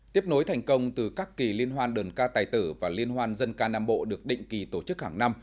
tiếp nối thành công từ các kỳ liên hoan đơn ca tài tử và liên hoan dân ca nam bộ được định kỳ tổ chức hàng năm